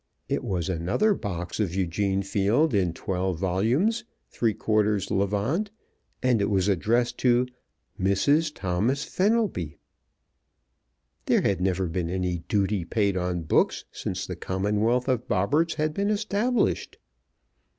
It was another box of Eugene Field in twelve volumes, three quarter levant, and it was addressed to "Mrs. Thomas Fenelby." There had never been any duty paid on books since the Commonwealth of Bobberts had been established.